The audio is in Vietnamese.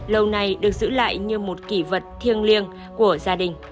lâu nay được giữ lại như một kỷ vật thiêng liêng của gia đình